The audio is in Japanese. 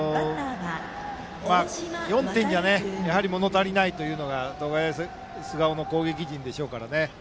４点じゃやはり物足りないというのが東海大菅生の攻撃陣でしょうから。